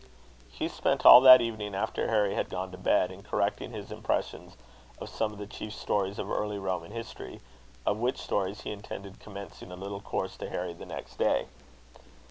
Hugh spent all that evening, after Harry had gone to bed, in correcting his impressions of some of the chief stories of early Roman history; of which stories he intended commencing a little course to Harry the next day.